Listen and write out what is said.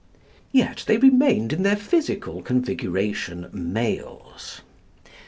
Yet they remained in their physical configuration males.